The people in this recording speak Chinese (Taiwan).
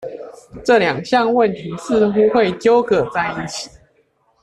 這兩項問題似乎會糾葛在一起